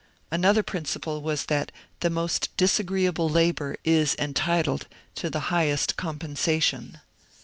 Another principle was that the most disagreeable labour is entitled to the highest com pensation.